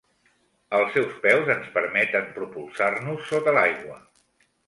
Els seus peus ens permeten propulsar-nos sota l'aigua.